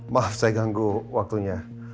maaf saya ganggu waktunya